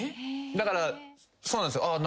だからそうなんですよ。